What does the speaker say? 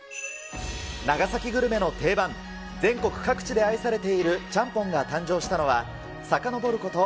長崎グルメの定番、全国各地で愛されているちゃんぽんが誕生したのは、さかのぼること